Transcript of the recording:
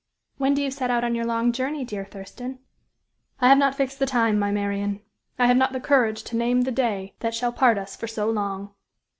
"When do you set out on your long journey, dear Thurston?" "I have not fixed the time, my Marian! I have not the courage to name the day that shall part us for so long."